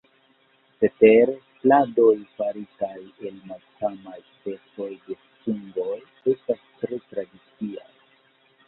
Cetere, pladoj faritaj el malsamaj specoj de fungoj estas tre tradiciaj.